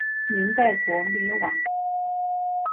明代国灭亡。